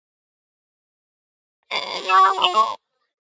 იზრდება მთის შუა სარტყლამდე ტყისპირებსა და ნათესებში.